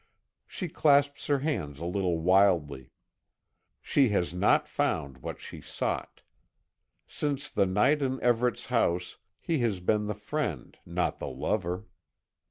She clasps her hands a little wildly. She has not found what she sought. Since the night in Everet's house, he has been the friend, not the lover.